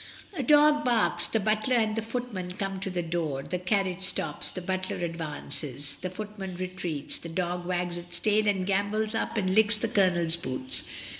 A dog barks, the butler and the footman come to the door, the carriage stops, the butler advances, the footman retreats, the dog wags its tail and gambols up and licks the Colonel's boots.